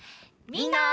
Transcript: みんな！